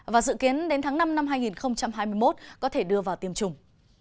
và dự kiến đến tháng năm năm hai nghìn hai mươi một có thể đưa vào tiêm chủng